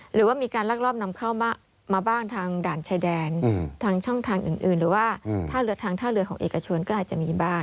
หรือว่ามีการลักลอบนำเข้ามาบ้างทางด่านชายแดนทางช่องทางอื่นหรือว่าท่าเรือทางท่าเรือของเอกชนก็อาจจะมีบ้าง